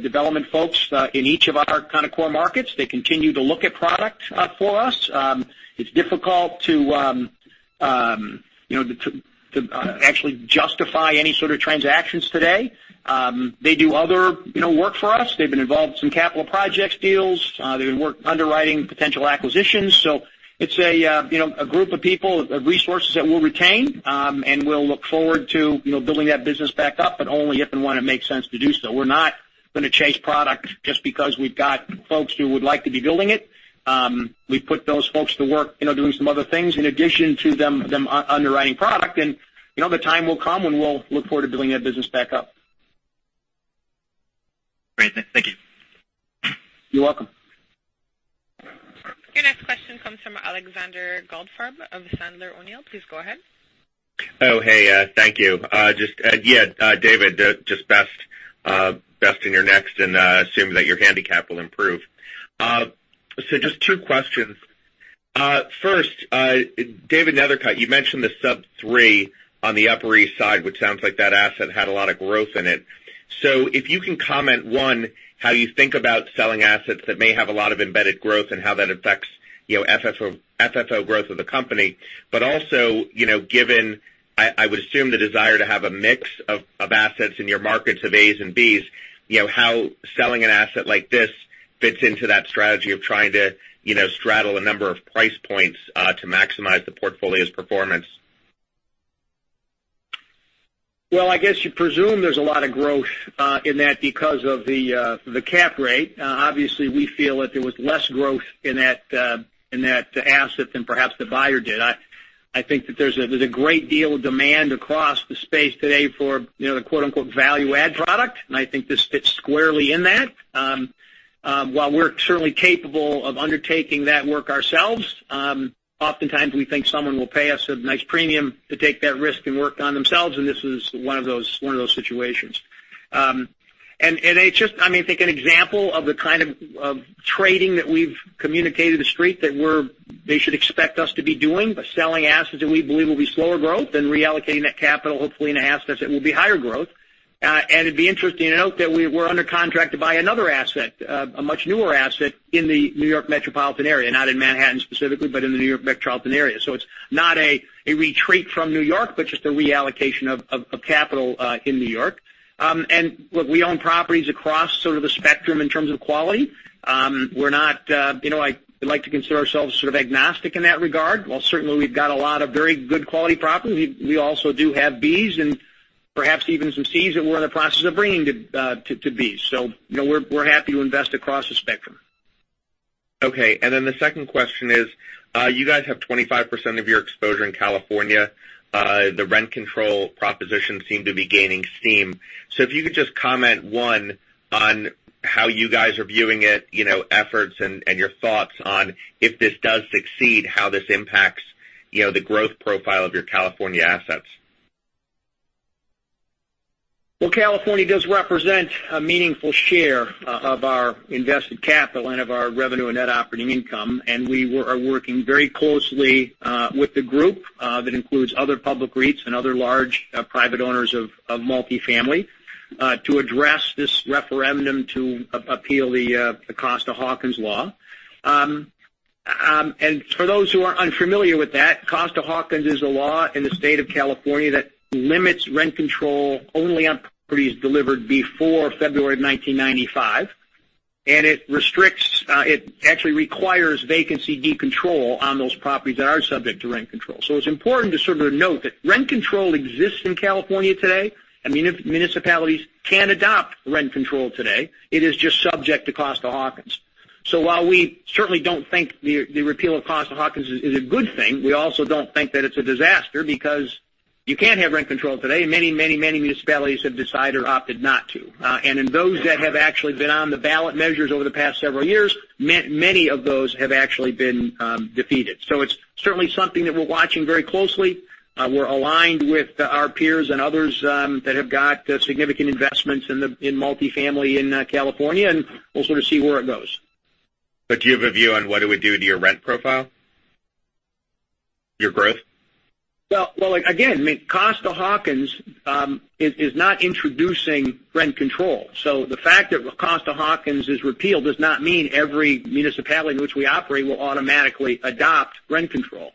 development folks in each of our kind of core markets. They continue to look at product for us. It's difficult to actually justify any sort of transactions today. They do other work for us. They've been involved in some capital projects deals. They've been working underwriting potential acquisitions. It's a group of people, of resources, that we'll retain, and we'll look forward to building that business back up, but only if and when it makes sense to do so. We're not going to chase product just because we've got folks who would like to be building it. We put those folks to work doing some other things in addition to them underwriting product. The time will come when we'll look forward to building that business back up. Great. Thank you. You're welcome. Your next question comes from Alexander Goldfarb of Sandler O'Neill. Please go ahead. Oh, hey. Thank you. David, just best in your next, assume that your handicap will improve. Just two questions. First, David Neithercut, you mentioned the sub 3 on the Upper East Side, which sounds like that asset had a lot of growth in it. If you can comment, one, how you think about selling assets that may have a lot of embedded growth and how that affects FFO growth of the company, but also, given, I would assume, the desire to have a mix of assets in your markets of As and Bs, how selling an asset like this fits into that strategy of trying to straddle a number of price points to maximize the portfolio's performance. Well, I guess you presume there's a lot of growth in that because of the cap rate. Obviously, we feel that there was less growth in that asset than perhaps the buyer did. I think that there's a great deal of demand across the space today for the quote-unquote, "value add product," and I think this fits squarely in that. While we're certainly capable of undertaking that work ourselves, oftentimes, we think someone will pay us a nice premium to take that risk and work on themselves, and this is one of those situations. I think an example of the kind of trading that we've communicated to the Street, that they should expect us to be doing, by selling assets that we believe will be slower growth and reallocating that capital, hopefully, in assets that will be higher growth. It'd be interesting to note that we're under contract to buy another asset, a much newer asset, in the New York metropolitan area, not in Manhattan specifically, but in the New York metropolitan area. It's not a retreat from New York, but just a reallocation of capital in New York. Look, we own properties across sort of the spectrum in terms of quality. I like to consider ourselves sort of agnostic in that regard. While certainly we've got a lot of very good quality properties, we also do have Bs and perhaps even some Cs that we're in the process of bringing to Bs. We're happy to invest across the spectrum. Okay. The second question is, you guys have 25% of your exposure in California. The rent control propositions seem to be gaining steam. If you could just comment, 1, on how you guys are viewing it, efforts, and your thoughts on if this does succeed, how this impacts the growth profile of your California assets. California does represent a meaningful share of our invested capital and of our revenue and net operating income, and we are working very closely with the group. That includes other public REITs and other large private owners of multifamily, to address this referendum to appeal the Costa-Hawkins law. For those who are unfamiliar with that, Costa-Hawkins is a law in the state of California that limits rent control only on properties delivered before February of 1995. It actually requires vacancy decontrol on those properties that are subject to rent control. It's important to sort of note that rent control exists in California today, and municipalities can adopt rent control today. It is just subject to Costa-Hawkins. While we certainly don't think the repeal of Costa-Hawkins is a good thing, we also don't think that it's a disaster because you can have rent control today, and many, many, many municipalities have decided or opted not to. In those that have actually been on the ballot measures over the past several years, many of those have actually been defeated. It's certainly something that we're watching very closely. We're aligned with our peers and others that have got significant investments in multifamily in California, and we'll sort of see where it goes. Do you have a view on what it would do to your rent profile? Your growth? Well, again, Costa-Hawkins is not introducing rent control. The fact that Costa-Hawkins is repealed does not mean every municipality in which we operate will automatically adopt rent control.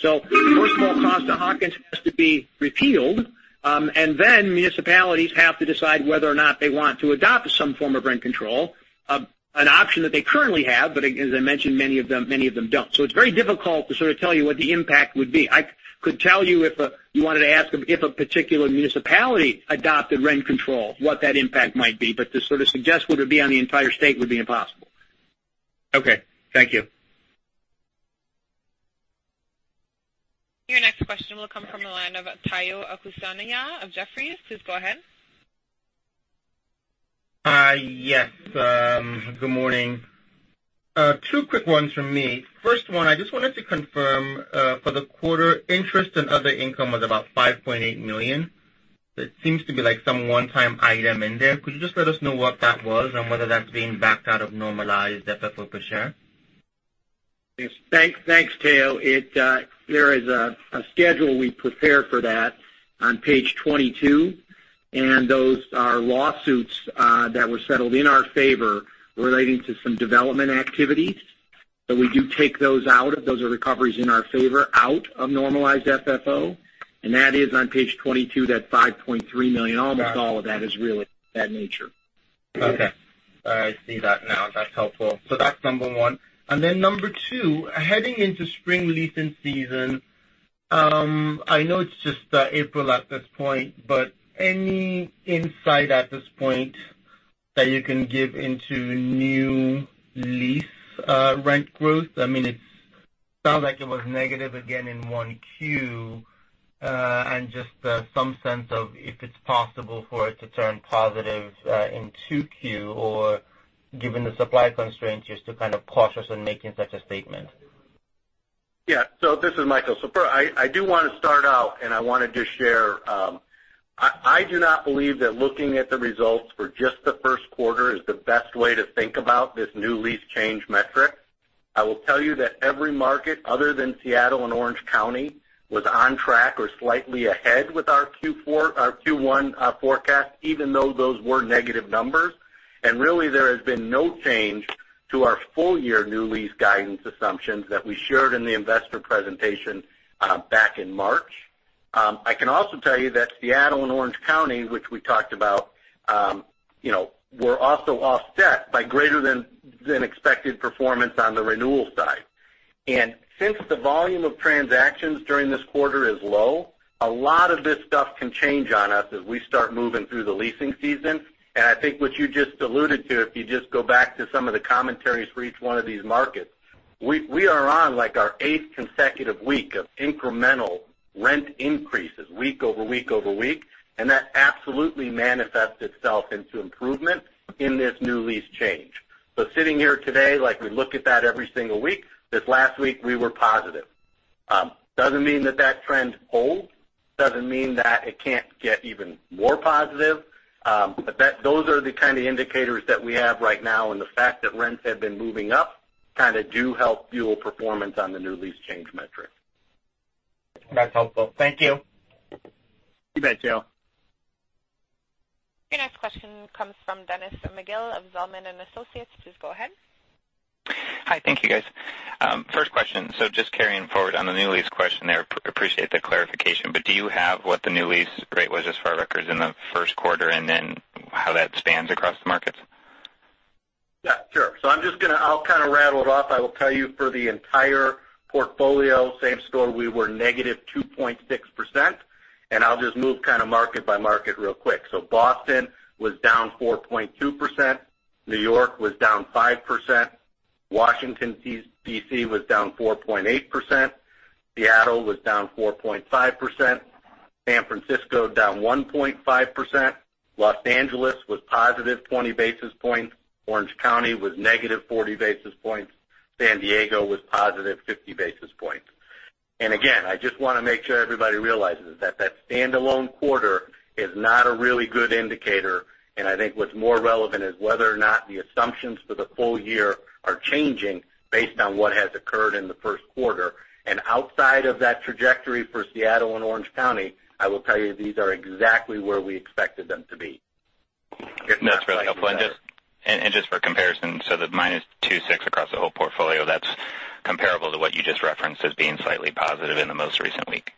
First of all, Costa-Hawkins has to be repealed, then municipalities have to decide whether or not they want to adopt some form of rent control, an option that they currently have, but as I mentioned, many of them don't. It's very difficult to sort of tell you what the impact would be. I could tell you if you wanted to ask if a particular municipality adopted rent control, what that impact might be, to sort of suggest what it'd be on the entire state would be impossible. Okay. Thank you. Your next question will come from the line of Tayo Okusanya of Jefferies. Please go ahead. Yes. Good morning. Two quick ones from me. First one, I just wanted to confirm, for the quarter, interest and other income was about $5.8 million. There seems to be some one-time item in there. Could you just let us know what that was and whether that's being backed out of normalized FFO per share? Thanks, Tayo. There is a schedule we prepare for that on page 22. Those are lawsuits that were settled in our favor relating to some development activities. We do take those out, those are recoveries in our favor, out of normalized FFO, and that is on page 22, that $5.3 million. Almost all of that is really of that nature. Okay. I see that now. That's helpful. That's number one. Number two, heading into spring leasing season, I know it's just April at this point, but any insight at this point that you can give into new lease rent growth? It sounds like it was negative again in 1Q, and just some sense of if it's possible for it to turn positive in 2Q, or given the supply constraints, you're still cautious in making such a statement. Yeah. This is Michael. I do want to start out and I wanted to share, I do not believe that looking at the results for just the first quarter is the best way to think about this new lease change metric. I will tell you that every market other than Seattle and Orange County was on track or slightly ahead with our Q1 forecast, even though those were negative numbers. There has been no change to our full-year new lease guidance assumptions that we shared in the investor presentation back in March. I can also tell you that Seattle and Orange County, which we talked about, were also offset by greater than expected performance on the renewal side. Since the volume of transactions during this quarter is low, a lot of this stuff can change on us as we start moving through the leasing season. I think what you just alluded to, if you just go back to some of the commentaries for each one of these markets, we are on our eighth consecutive week of incremental rent increases week over week over week, and that absolutely manifests itself into improvement in this new lease change. Sitting here today, we look at that every single week. This last week, we were positive. Doesn't mean that trend holds, doesn't mean that it can't get even more positive, those are the kind of indicators that we have right now, and the fact that rents have been moving up kind of do help fuel performance on the new lease change metric. That's helpful. Thank you. You bet, Tayo. Your next question comes from Dennis McGill of Zelman & Associates. Please go ahead. Hi. Thank you, guys. First question. Just carrying forward on the new lease question there, appreciate the clarification, but do you have what the new lease rate was just for our records in the first quarter, and then how that spans across the markets? Yeah, sure. I'll kind of rattle it off. I will tell you for the entire portfolio, same story, we were negative 2.6%, and I'll just move kind of market by market real quick. Boston was down 4.2%, New York was down 5%, Washington, D.C. was down 4.8%, Seattle was down 4.5%, San Francisco down 1.5%, Los Angeles was positive 20 basis points, Orange County was negative 40 basis points, San Diego was positive 50 basis points. Again, I just want to make sure everybody realizes that standalone quarter is not a really good indicator, and I think what's more relevant is whether or not the assumptions for the full year are changing based on what has occurred in the first quarter. Outside of that trajectory for Seattle and Orange County, I will tell you these are exactly where we expected them to be. That's really helpful. Just for comparison, the minus 2.6 across the whole portfolio, that's comparable to what you just referenced as being slightly positive in the most recent week?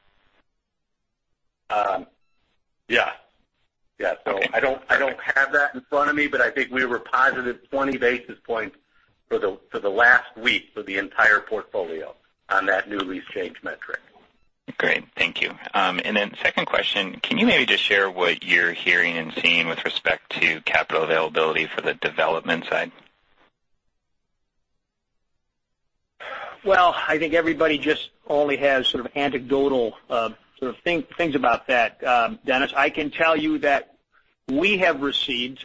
Yeah. Okay. I don't have that in front of me, but I think we were positive 20 basis points for the last week for the entire portfolio on that new lease change metric. Great. Thank you. Second question, can you maybe just share what you're hearing and seeing with respect to capital availability for the development side? Well, I think everybody just only has sort of anecdotal sort of things about that, Dennis. I can tell you that we have received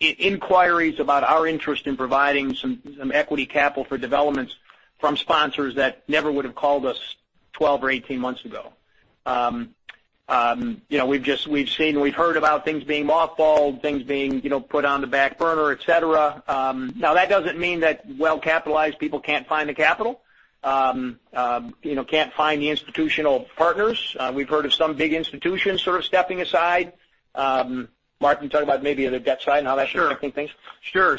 inquiries about our interest in providing some equity capital for developments from sponsors that never would've called us 12 or 18 months ago. We've heard about things being mothballed, things being put on the back burner, et cetera. That doesn't mean that well-capitalized people can't find the capital, can't find the institutional partners. We've heard of some big institutions sort of stepping aside. Mark, talk about maybe on the debt side and how that's affecting things. Sure.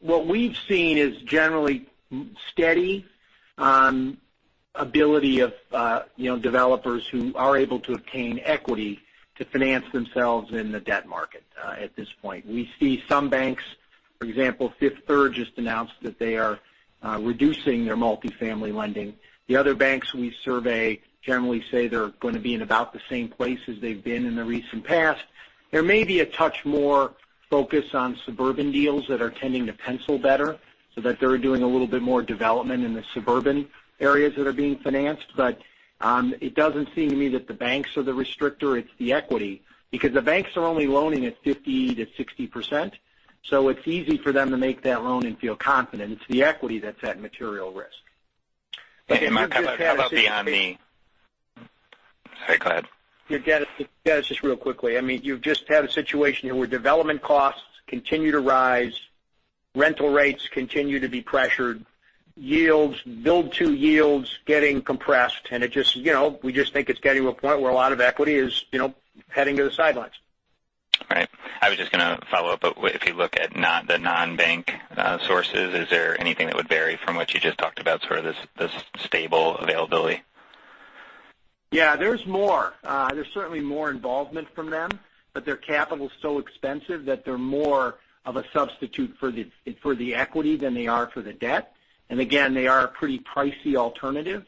What we've seen is generally steady ability of developers who are able to obtain equity to finance themselves in the debt market at this point. We see some banks, for example, Fifth Third just announced that they are reducing their multifamily lending. The other banks we survey generally say they're going to be in about the same place as they've been in the recent past. There may be a touch more focus on suburban deals that are tending to pencil better, that they're doing a little bit more development in the suburban areas that are being financed. It doesn't seem to me that the banks are the restrictor, it's the equity, because the banks are only loaning at 50%-60%, it's easy for them to make that loan and feel confident. It's the equity that's at material risk. Mark, how about beyond the Sorry, go ahead. Yeah, Dennis, just real quickly. You've just had a situation here where development costs continue to rise, rental rates continue to be pressured, build-to yields getting compressed, we just think it's getting to a point where a lot of equity is heading to the sidelines. Right. I was just going to follow up. If you look at the non-bank sources, is there anything that would vary from what you just talked about, this stable availability? Yeah. There's more. There's certainly more involvement from them. Their capital's so expensive that they're more of a substitute for the equity than they are for the debt. Again, they are a pretty pricey alternative.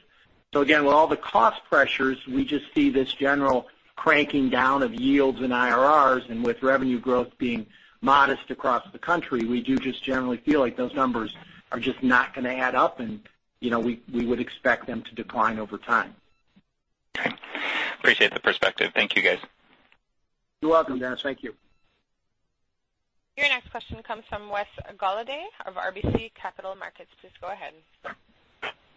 Again, with all the cost pressures, we just see this general cranking down of yields and IRR. With revenue growth being modest across the country, we do just generally feel like those numbers are just not going to add up, and we would expect them to decline over time. Okay. Appreciate the perspective. Thank you, guys. You're welcome, Dennis. Thank you. Your next question comes from Wes Golladay of RBC Capital Markets. Please go ahead.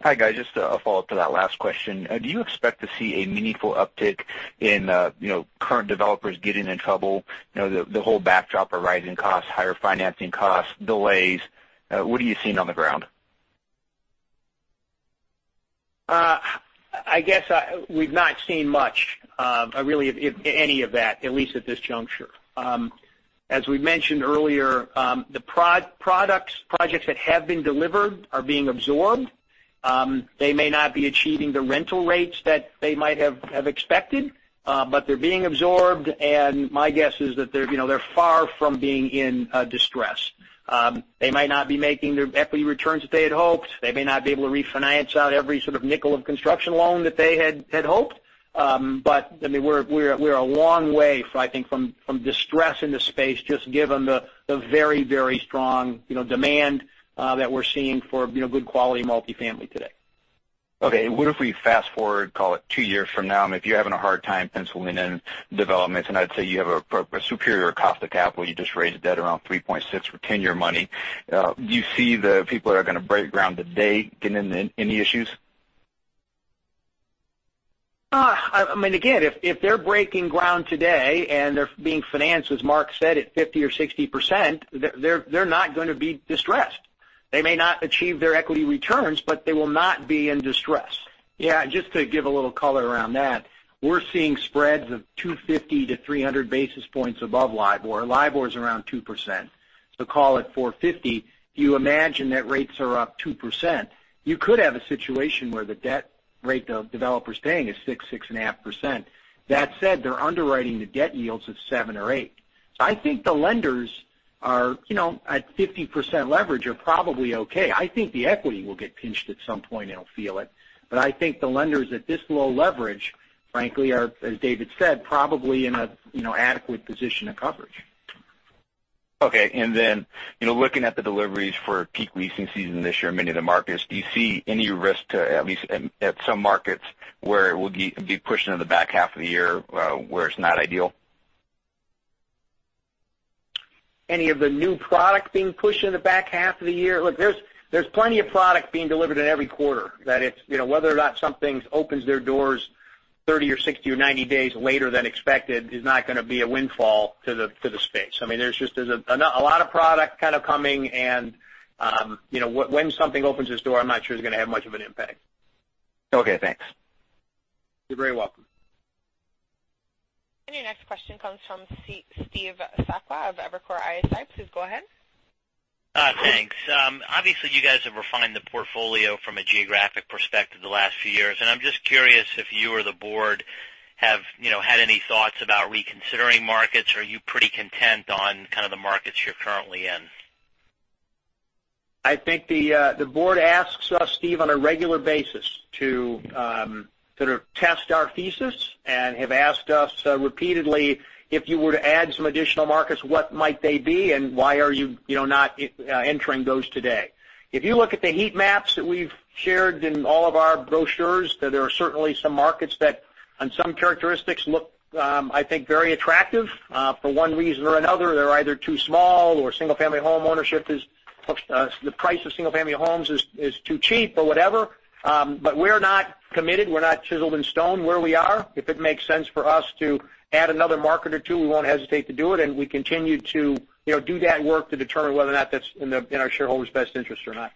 Hi, guys. Just a follow-up to that last question. Do you expect to see a meaningful uptick in current developers getting in trouble? The whole backdrop of rising costs, higher financing costs, delays. What are you seeing on the ground? I guess we've not seen much of really any of that, at least at this juncture. As we mentioned earlier, the projects that have been delivered are being absorbed. They may not be achieving the rental rates that they might have expected, but they're being absorbed, and my guess is that they're far from being in distress. They might not be making their equity returns that they had hoped. They may not be able to refinance out every nickel of construction loan that they had hoped. We're a long way, I think, from distress in the space, just given the very strong demand that we're seeing for good quality multifamily today. Okay, what if we fast-forward call it two years from now, if you're having a hard time penciling in developments, I'd say you have a superior cost of capital, you just raised debt around 3.6% for 10-year money. Do you see the people that are going to break ground today getting in any issues? If they're breaking ground today and they're being financed, as Mark said, at 50% or 60%, they're not going to be distressed. They may not achieve their equity returns, but they will not be in distress. Just to give a little color around that, we're seeing spreads of 250-300 basis points above LIBOR. LIBOR is around 2%, call it 450. If you imagine that rates are up 2%, you could have a situation where the debt rate the developer's paying is 6%-6.5%. That said, they're underwriting the debt yields at seven or eight. I think the lenders at 50% leverage are probably okay. I think the equity will get pinched at some point and it'll feel it. I think the lenders at this low leverage, frankly, are, as David said, probably in an adequate position of coverage. Looking at the deliveries for peak leasing season this year in many of the markets, do you see any risk to, at least at some markets, where it would be pushed into the back half of the year, where it's not ideal? Any of the new product being pushed in the back half of the year? There's plenty of product being delivered in every quarter. Whether or not something opens their doors 30 or 60 or 90 days later than expected is not going to be a windfall to the space. There's a lot of product coming and when something opens its door, I'm not sure it's going to have much of an impact. Okay, thanks. You're very welcome. Your next question comes from Steve Sakwa of Evercore ISI. Please go ahead. Thanks. Obviously, you guys have refined the portfolio from a geographic perspective the last few years, and I'm just curious if you or the board have had any thoughts about reconsidering markets, or are you pretty content on kind of the markets you're currently in? I think the board asks us, Steve, on a regular basis to sort of test our thesis and have asked us repeatedly, if you were to add some additional markets, what might they be and why are you not entering those today? If you look at the heat maps that we've shared in all of our brochures, there are certainly some markets that on some characteristics look, I think, very attractive. For one reason or another, they're either too small or the price of single-family homes is too cheap or whatever. We're not committed. We're not chiseled in stone where we are. If it makes sense for us to add another market or two, we won't hesitate to do it, and we continue to do that work to determine whether or not that's in our shareholders' best interest or not.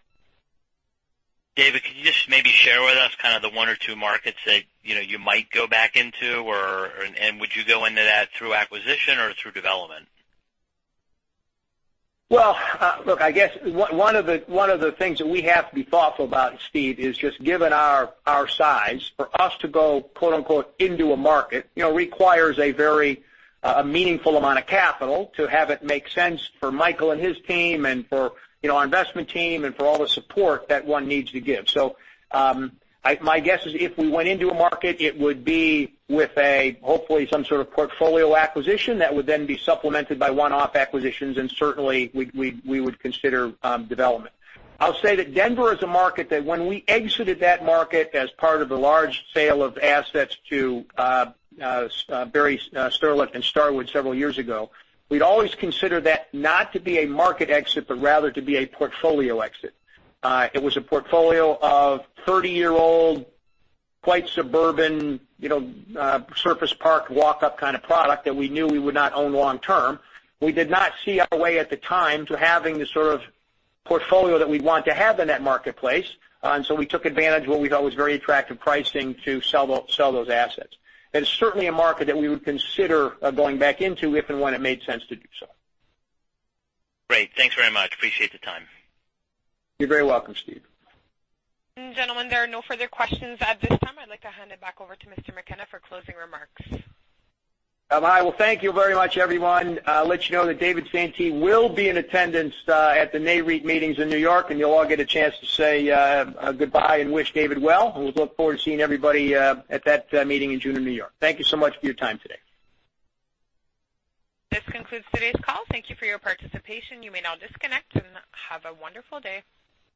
David, can you just maybe share with us kind of the one or two markets that you might go back into? Would you go into that through acquisition or through development? Look, I guess one of the things that we have to be thoughtful about, Steve, is just given our size, for us to go, quote unquote, into a market, requires a very meaningful amount of capital to have it make sense for Michael and his team and for our investment team and for all the support that one needs to give. My guess is if we went into a market, it would be with a, hopefully, some sort of portfolio acquisition that would then be supplemented by one-off acquisitions, and certainly, we would consider development. I'll say that Denver is a market that when we exited that market as part of the large sale of assets to Barry Sternlicht and Starwood several years ago, we'd always consider that not to be a market exit, but rather to be a portfolio exit. It was a portfolio of 30-year-old, quite suburban, surface parked, walk-up kind of product that we knew we would not own long-term. We did not see our way at the time to having the sort of portfolio that we'd want to have in that marketplace. We took advantage of what we thought was very attractive pricing to sell those assets. It is certainly a market that we would consider going back into if and when it made sense to do so. Great. Thanks very much. Appreciate the time. You're very welcome, Steve. Gentlemen, there are no further questions at this time. I'd like to hand it back over to Mr. McKenna for closing remarks. Well, thank you very much, everyone. I'll let you know that David Santee will be in attendance at the Nareit meetings in New York, and you'll all get a chance to say goodbye and wish David well. We look forward to seeing everybody at that meeting in June in New York. Thank you so much for your time today. This concludes today's call. Thank you for your participation. You may now disconnect and have a wonderful day.